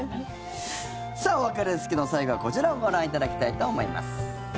さあ、お別れですけども最後はこちらをご覧いただきたいと思います。